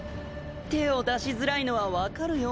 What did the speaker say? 手を出しづらいのは分かるよ。